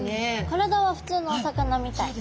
体は普通のお魚みたい。